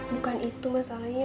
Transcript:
bukan itu masalahnya